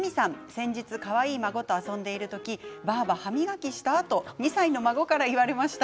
先月かわいい孫と遊んでいる時にばあば、歯磨きした？と２歳の孫から言われました。